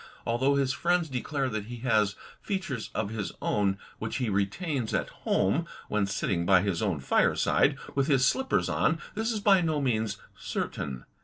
Although his friends declare that he has features of his own which he retains at home when sitting by his own fire side, with his slippers on, this is by no means certain.